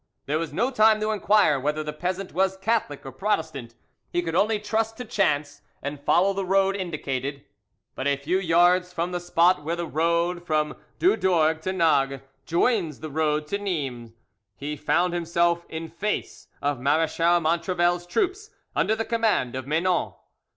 There was no time to inquire whether the peasant was Catholic or Protestant; he could only trust to chance, and follow the road indicated. But a few yards from the spot where the road from Doudorgues to Nages joins the road to Nimes he found himself in face of Marechal Montrevel's troops under the command of Menon.